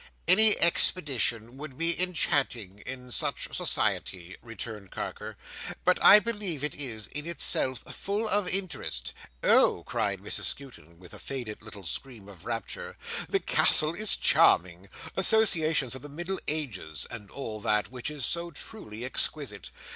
"Any expedition would be enchanting in such society," returned Carker; "but I believe it is, in itself, full of interest." "Oh!" cried Mrs Skewton, with a faded little scream of rapture, "the Castle is charming!—associations of the Middle Ages—and all that—which is so truly exquisite.